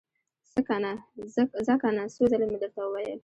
ځه کنه! څو ځلې مې درته وويل!